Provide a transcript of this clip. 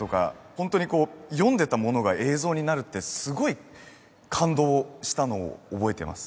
本当にこう読んでたものが映像になるってすごい感動したのを覚えてます